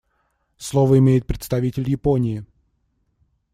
Слово имеет представитель Японии.